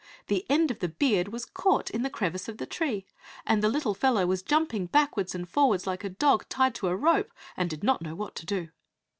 The end of the beard was caught in a crevice of the tree, and the little fellow was jumping backwards and forwards like a dog tied to a rope, and did not know what to do.